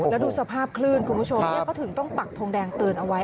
แล้วดูสภาพคลื่นคุณผู้ชมเขาถึงต้องปักทงแดงเตือนเอาไว้